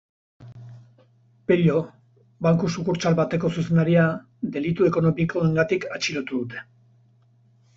Pello, banku sukurtsal bateko zuzendaria, delitu ekonomikoengatik atxilotu dute.